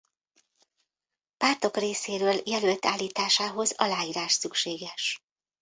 Pártok részéről jelölt állításához aláírás szükséges.